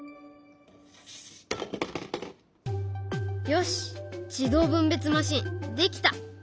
よし自動分別マシンできた！